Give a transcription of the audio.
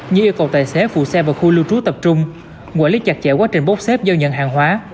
như yêu cầu tài xế phụ xe vào khu lưu trú tập trung quản lý chặt chẽ quá trình bốc xếp do nhận hàng hóa